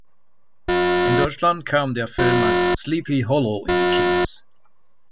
In Deutschland kam der Film als "Sleepy Hollow" in die Kinos.